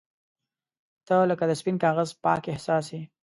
• ته لکه د سپین کاغذ پاک احساس یې.